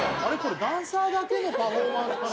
ダンサーだけのパフォーマンスかなって。